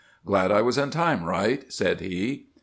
"'Glad I was in time, Wright!' said he.